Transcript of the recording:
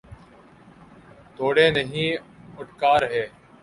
روڑے نہیں اٹکا رہے۔